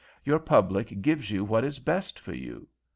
Your public gives you what is best for you.